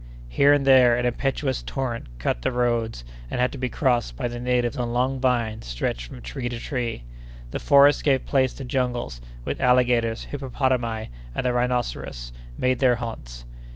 Here and there, an impetuous torrent cut the roads, and had to be crossed by the natives on long vines stretched from tree to tree. The forests gave place to jungles, which alligators, hippopotami, and the rhinoceros, made their haunts.